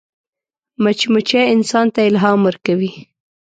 مچمچۍ انسان ته الهام ورکوي